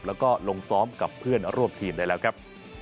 หรือลงซ้อมกับเพื่อนรอบทีนได้แล้วครับ